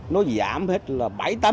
nó giảm hết là bảy tám